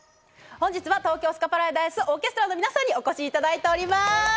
本日は東京スカパラダイスオーケストラの皆さんにお越しいただいております。